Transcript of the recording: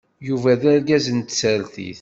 Yuba d argaz n tsertit.